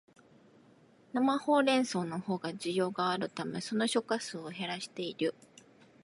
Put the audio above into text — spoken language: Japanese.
生ホウレンソウのほうが需要があるため、その出荷数を減らしている